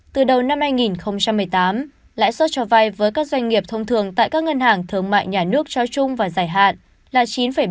từ đầu năm hai nghìn một mươi tám lãi suất cho vay với các doanh nghiệp thông thường tại các ngân hàng thương mại nhà nước cho chung và giải hạn